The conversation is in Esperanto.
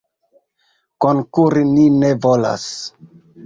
Konkuri ni ne volas.